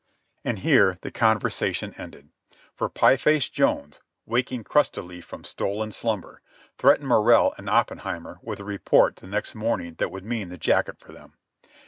And here the conversation ended, for Pie Face Jones, waking crustily from stolen slumber, threatened Morrell and Oppenheimer with a report next morning that would mean the jacket for them.